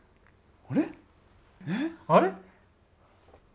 あれ？